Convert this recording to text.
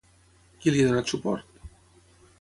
Qui li ha donat suport?